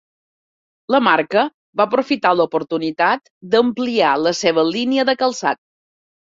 La marca va aprofitar l'oportunitat d'ampliar la seva línia de calçat.